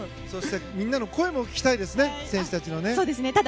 そしてみんなの声も聞きたいですね、選手たちのね。